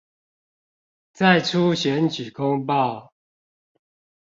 再出選舉公報